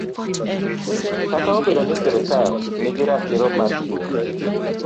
Kata obedo ni sirkal nigi ratiro mar chiwo mich